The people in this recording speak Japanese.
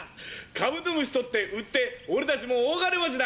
カブトムシ捕って売って俺たちも大金持ちだ！